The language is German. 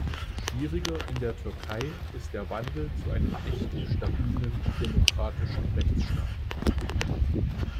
Schwieriger in der Türkei ist der Wandel zu einem echten stabilen demokratischen Rechtsstaat.